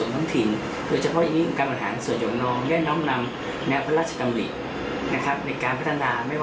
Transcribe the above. ในส่วนขององค์กองปกครองส่วนทั้งถิ่น